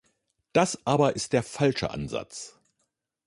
Das aber ist der falsche Ansatz.